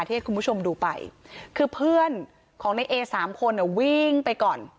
ให้คุณผู้ชมดูไปคือเพื่อนของในเอสามคนอ่ะวิ่งไปก่อน